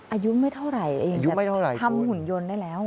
อายุไม่เท่าไหร่เองแต่ทำหุ่นยนต์ได้แล้ว